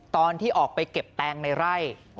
ตอนที่ออกไปเก็บแตงในไร่